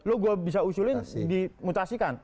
lo gue bisa usulin dimutasikan